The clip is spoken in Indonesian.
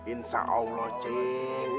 insya allah cing